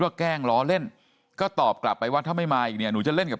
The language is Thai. แกล้งล้อเล่นก็ตอบกลับไปว่าถ้าไม่มาอีกเนี่ยหนูจะเล่นกับ